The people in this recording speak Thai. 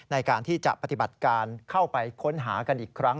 ในการที่จะปฏิบัติการเข้าไปค้นหากันอีกครั้ง